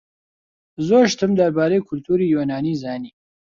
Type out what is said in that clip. زۆر شتم دەربارەی کولتووری یۆنانی زانی.